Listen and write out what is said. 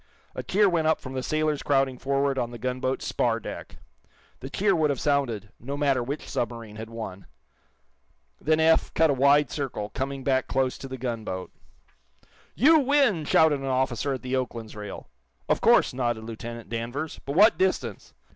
A cheer went up from the sailors crowding forward on the gunboat's spar deck. The cheer would have sounded, no matter which submarine had won. Then Eph cut a wide circle, coming back close to the gunboat. "You win!" shouted an officer at the "Oakland's" rail. "Of course," nodded Lieutenant Danvers, "But what distance?"